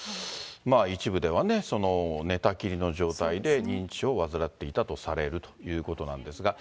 一部ではね、寝たきりの状態で、認知症を患っていたとされるということなんですが。